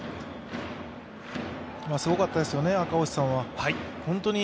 すごかったですよね、赤星さんは。